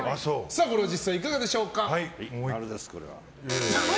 これは実際いかがでしょうか。